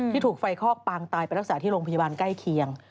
ถูกไฟคอกปางตายไปรักษาที่โรงพยาบาลใกล้เคียง